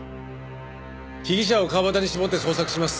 被疑者を川端に絞って捜索します。